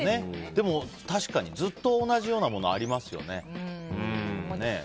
でも確かにずっと同じようなものありますよね。